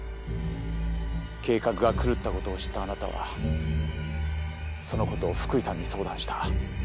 計画が狂ったことを知ったあなたはそのことを福井さんに相談した。